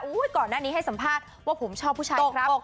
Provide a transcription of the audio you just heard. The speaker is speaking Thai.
ก่อนหน้านี้ให้สัมภาษณ์ว่าผมชอบผู้ชายครับ